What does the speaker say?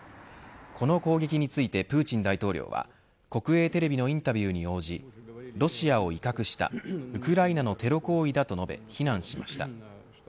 この攻撃についてプーチン大統領は国営テレビのインタビューに応じロシアを威かくしたウクライナのテロ行為だと述べ非難しました。